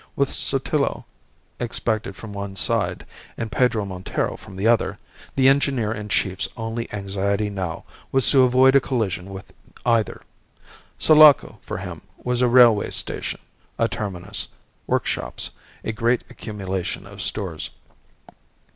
With Sotillo expected from one side, and Pedro Montero from the other, the engineer in chief's only anxiety now was to avoid a collision with either. Sulaco, for him, was a railway station, a terminus, workshops, a great accumulation of stores.